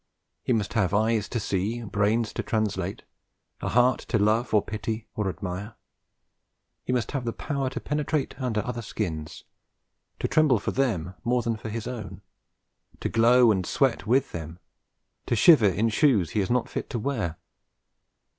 He must have eyes to see, brains to translate, a heart to love or pity or admire. He must have the power to penetrate under other skins, to tremble for them more than for his own, to glow and sweat with them, to shiver in shoes he is not fit to wear.